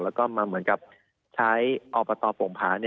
แล้วก็มาเหมือนกับใช้อปฎฝ่งพ้า